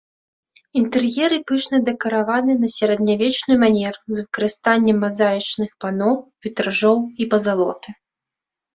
Інтэр'еры пышна дэкараваны на сярэднявечны манер з выкарыстаннем мазаічных пано, вітражоў і пазалоты.